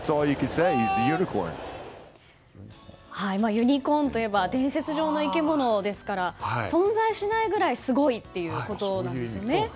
ユニコーンといえば伝説上の生き物ですから存在しないくらいすごいということですね。